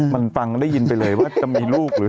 มันฟังได้ยินไปเลยว่าจะมีลูกหรือ